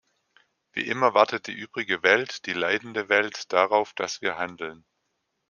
Wie immer wartet die übrige Welt, die leidende Welt, darauf, dass wir handeln.